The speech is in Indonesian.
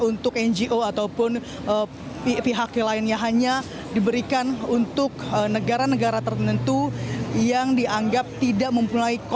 untuk ngo ataupun pihak yang lainnya hanya diberikan untuk negara negara tertentu yang dianggap tidak mempunyai